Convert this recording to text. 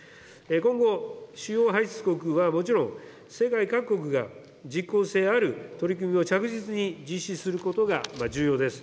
今後、主要排出国はもちろん、世界各国が、実効性ある取り組みを着実に実施することが重要です。